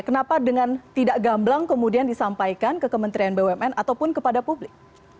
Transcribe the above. kenapa dengan tidak gamblang kemudian disampaikan ke kementerian bumn ataupun kepada publik